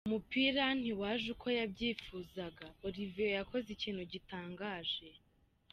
Umupira ntiwaje uko yabyifuzaga, Olivier yakoze ikintu gitangaje.